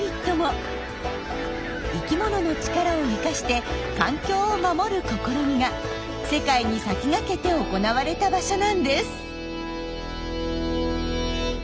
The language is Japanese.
生きものの力を生かして環境を守る試みが世界に先駆けて行われた場所なんです。